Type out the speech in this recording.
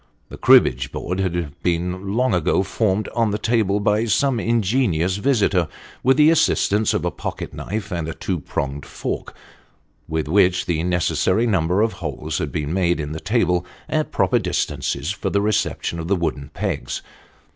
The cribbage board had been long ago formed on the table by some ingenious visitor with the assistance of a pocket knife and a two pronged fork, with which the necessary number of holes had been made in the table at proper distances for the reception of the wooden pegs.